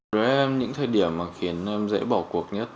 đối với em những thời điểm mà khiến em dễ bỏ cuộc nhất